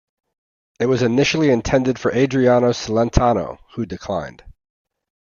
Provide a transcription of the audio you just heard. It was initially intended for Adriano Celentano, who declined.